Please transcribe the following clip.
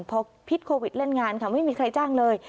พอพิษโควิดเล่นงานค่ะไม่มีใครจ้างเลย